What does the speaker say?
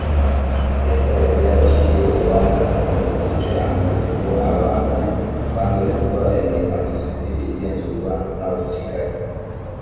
leta yari yaraciriye urubanza rudakurikije amategeko abahamya banze gukora imirimo ya gisivili igenzurwa n’abasirikare